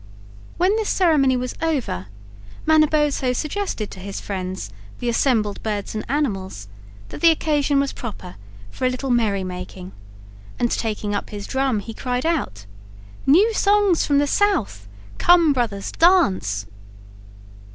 When this ceremony was over Manabozho suggested to his friends, the assembled birds and animals, that the occasion was proper for a little merrymaking; and taking up his drum he cried out: "New songs from the South! Come, brothers, dance!"